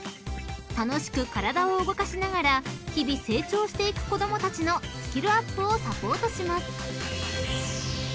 ［楽しく体を動かしながら日々成長していく子供たちのスキルアップをサポートします］